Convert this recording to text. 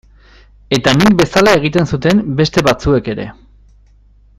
Eta nik bezala egiten zuten beste batzuek ere.